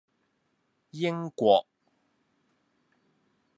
英國